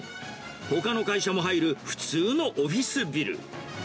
ほかの会社も入る普通のオフィスビル。